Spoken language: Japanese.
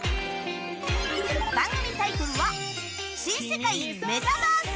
番組タイトルは